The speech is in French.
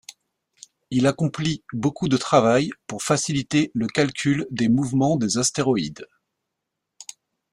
Il accomplit beaucoup de travail pour faciliter le calcul des mouvements des astéroïdes.